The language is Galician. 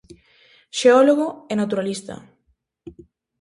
Xeólogo e naturalista.